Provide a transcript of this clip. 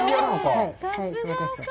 はい、そうです。